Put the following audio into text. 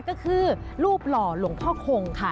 ก็คือรูปหล่อหลวงพ่อคงค่ะ